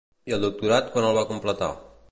I el doctorat quan el va completar?